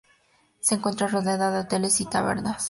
Se encuentra rodeada de hoteles y tabernas.